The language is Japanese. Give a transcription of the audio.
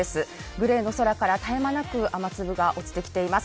グレーの空から絶え間なく雨粒が落ちてきています。